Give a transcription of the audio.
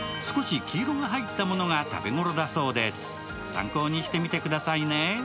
参考にしてみてくださいね。